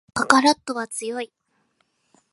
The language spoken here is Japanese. カカロットは強い